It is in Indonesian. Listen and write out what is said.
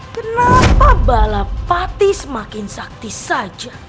kenapa balap pati semakin sakti saja